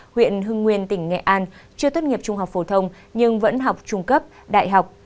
huyện hưng nguyên tỉnh nghệ an chưa tốt nghiệp trung học phổ thông nhưng vẫn học trung cấp đại học